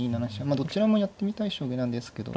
まあどちらもやってみたい将棋なんですけど。